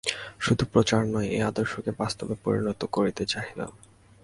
শুধু প্রচার নয়, এই আদর্শকে বাস্তবে পরিণত করিতে চাহিলাম।